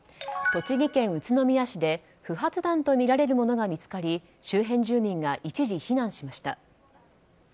栃木県宇都宮市で不発弾とみられるものが見つかり周辺住民が一時、避難しました。